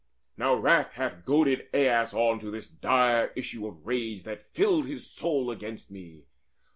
Now wrath hath goaded Aias on To this dire issue of the rage that filled His soul against me.